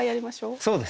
そうですね。